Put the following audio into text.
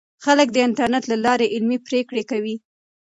خلک د انټرنیټ له لارې علمي پریکړې کوي.